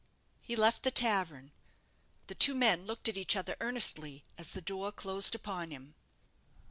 He left the tavern. The two men looked at each other earnestly as the door closed upon him.